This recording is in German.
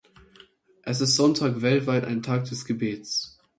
Es ist Sonntag, weltweit ein Tag des Gebets.